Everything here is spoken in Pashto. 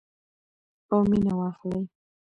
او مینه واخلئ.